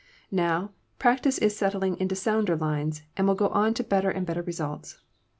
Now, practice is settling into sounder lines and will go on to better and better results.